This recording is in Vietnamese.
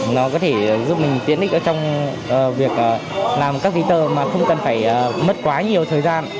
nó có thể giúp mình tiện ích trong việc làm các giấy tờ mà không cần phải mất quá nhiều thời gian